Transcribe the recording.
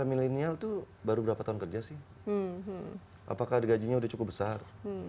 milenial tuh baru berapa tahun kerja sih apakah gajinya udah cukup besar